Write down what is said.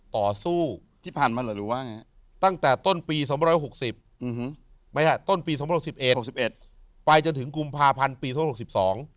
ต่อสู้ที่ผ่านมาเหรอหรือว่าไงตั้งแต่ต้นปีสำบริควรรยุหนกสิบ